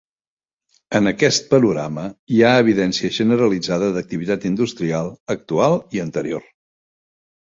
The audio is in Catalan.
En aquest panorama hi ha evidència generalitzada d'activitat industrial actual i anterior.